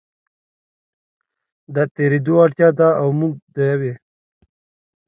د تېرېدو اړتیا ده او موږ د یوې